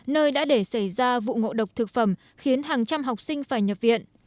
nơi đã để xảy ra vụ ngộ độc thực phẩm khiến hàng trăm học sinh phải nhập viện